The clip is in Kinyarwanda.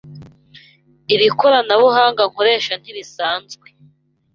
Iri koranabuhanga nkoresha ntirisanzwe